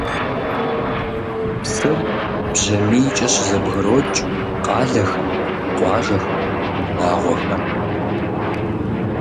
Псыр бжьамийкӀэ щызэбгрокӀ къалэхэм, къуажэхэм, унагъуэхэм.